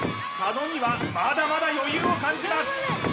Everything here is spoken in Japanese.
佐野にはまだまだ余裕を感じます